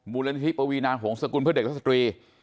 มูลนิธิปวีนาของสกุลเพื่อเด็กรักษัตรี